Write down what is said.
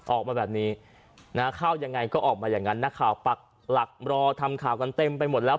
ออกมาแบบนี้นะเข้ายังไงก็ออกมาอย่างนั้นนักข่าวปักหลักรอทำข่าวกันเต็มไปหมดแล้ว